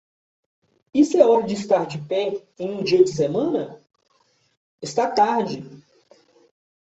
Isso é hora de estar de pé em um dia de semana? Está tarde!